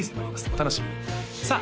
お楽しみにさあ